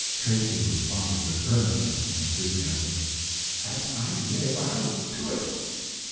Tracy responded with earnestness and enthusiasm: "As I live, I'll do it!"